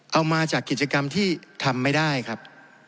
เอามาจากกิจกรรมที่ทำไม่ได้ครับ